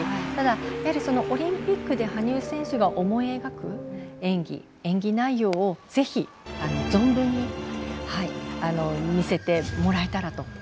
ただ、やはりオリンピックで羽生選手が思い描く演技内容をぜひ、存分に見せてもらえたらと。